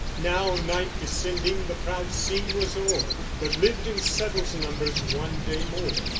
Now night descending the proud scene was o'er, But lived in Settle's numbers one day more.'